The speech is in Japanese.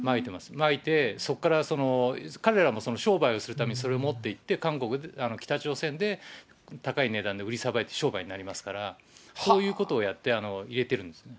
まいて、そこから、彼らも商売をするためにそれを持っていって、北朝鮮で高い値段で売りさばいて、商売になりますから、そういうことをやって、入れてるんですね。